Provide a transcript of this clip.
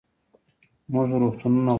موږ روغتونونه غواړو